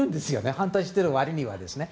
反対している割りにはですね。